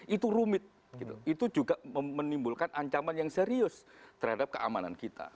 itu rumit itu juga menimbulkan ancaman yang serius terhadap keamanan kita